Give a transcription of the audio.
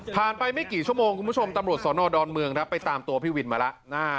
ไปไม่กี่ชั่วโมงคุณผู้ชมตำรวจสอนอดอนเมืองครับไปตามตัวพี่วินมาแล้ว